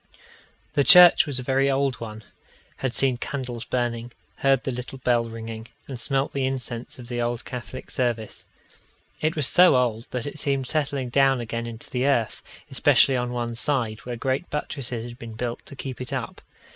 The church was a very old one had seen candles burning, heard the little bell ringing, and smelt the incense of the old Catholic service. It was so old, that it seemed settling down again into the earth, especially on one side, where great buttresses had been built to keep it up.